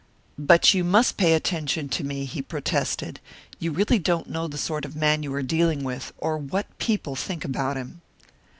"But you must pay attention to me," he protested. "You really don't know the sort of man you are dealing with, or what people think about him."